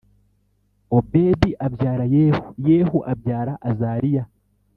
Obedi abyara Yehu Yehu abyara Azariya